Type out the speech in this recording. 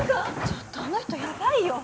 ちょっとあの人やばいよ。